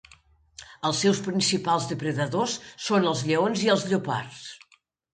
Els seus principals depredadors són els lleons i els lleopards.